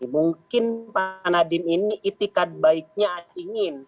mungkin pak nadine ini itikad baiknya ingin